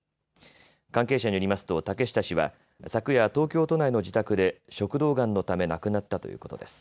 関係者によりますと竹下氏は昨夜東京都内の自宅で食道がんのため亡くなったということです。